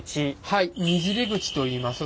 はい「躙口」といいます。